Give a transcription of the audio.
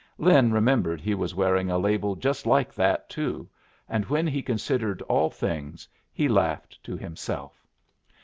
Lin remembered he was wearing a label just like that too, and when he considered all things he laughed to himself.